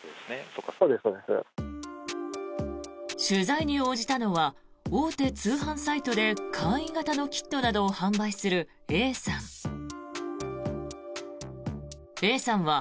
取材に応じたのは大手通販サイトで簡易型のキットなどを販売するＡさん。